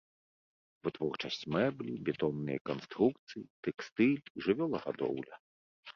Вытворчасць мэблі, бетонныя канструкцыі, тэкстыль і жывёлагадоўля.